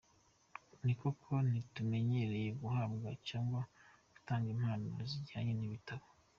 Ni koko ntitumenyereye guhabwa cyangwa gutanga impano zijyanye n’ibitabo.